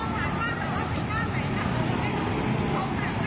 กลับมาเล่าให้ฟังครับ